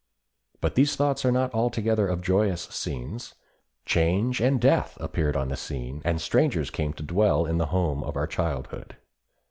But these thoughts are not altogether of joyous scenes. Change and death appeared on the scene, and strangers came to dwell in the home of our childhood.